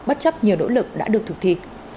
bất chấp nhiều nỗ lực đã được thực thi